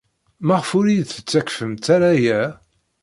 Maɣef ur iyi-d-tettakfemt ara aya?